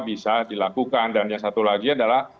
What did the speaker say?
bisa dilakukan dan yang satu lagi adalah